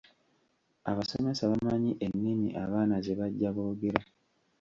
Abasomesa bamanyi ennimi abaana ze bajja boogera?